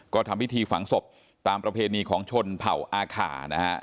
ก็ทำพิธีฝังศพตามประเพณีของชนเผ่าอาคานะฮะ